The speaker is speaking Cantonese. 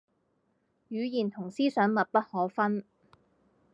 語言同思想密不可分